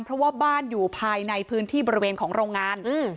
เพราะว่าบ้านอยู่ภายในพื้นที่บริเวณของโรงงานอืม